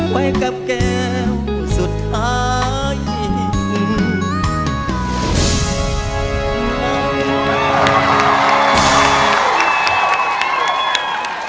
ไปกับแก้วสุดท้าย